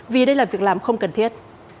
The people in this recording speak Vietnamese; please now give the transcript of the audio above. vì đây là việc làm không cần thiết